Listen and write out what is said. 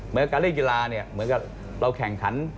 เหมือนกับการเล่นกีฬาเนี่ยเหมือนกับเราแข่งขัน